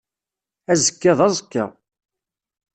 Azekka d aẓekka.